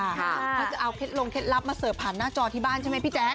เขาจะเอาเคล็ดลงเคล็ดลับมาเสิร์ฟผ่านหน้าจอที่บ้านใช่ไหมพี่แจ๊ค